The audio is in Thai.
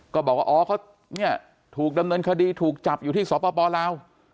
ก็บอกว่าอ๋อเขาเนี่ยถูกดำเนินคดีถูกจับอยู่ที่สปลาว